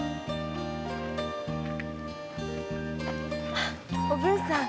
あおぶんさん。